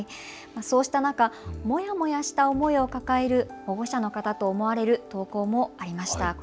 そうした中、もやもやした思いを抱える保護者の方と思われる投稿もありました。